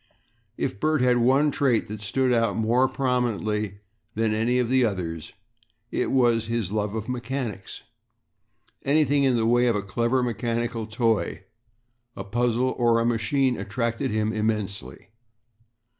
If Bert had one trait that stood out more prominently than any of the others it was his love for mechanics. Anything in the way of a clever mechanical toy, a puzzle, or a machine attracted him immensely.